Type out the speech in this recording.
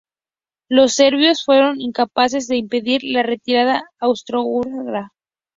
Los serbios fueron incapaces de impedir la retirada austrohúngara.